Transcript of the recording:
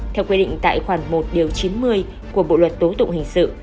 theo quy định tại khoản một điều chín mươi của bộ luật tố tụng hình sự